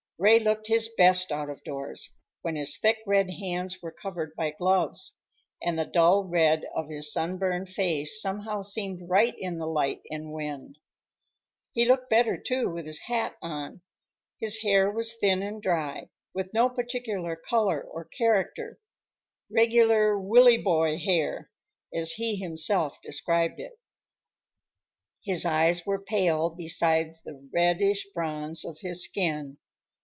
Ray looked his best out of doors, when his thick red hands were covered by gloves, and the dull red of his sunburned face somehow seemed right in the light and wind. He looked better, too, with his hat on; his hair was thin and dry, with no particular color or character, "regular Willy boy hair," as he himself described it. His eyes were pale beside the reddish bronze of his skin.